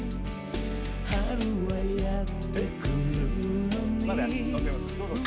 「春はやってくるのに」